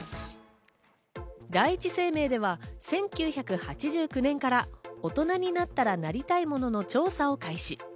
第一生命では１９８９年から、大人になったら、なりたいものの調査を開始。